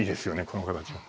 この形は。